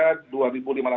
kita tidak bisa mengingatkan